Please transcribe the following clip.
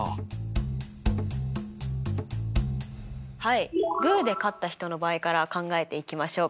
はいグーで勝った人の場合から考えていきましょうか。